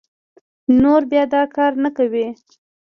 نور بيا دا کار نه کوي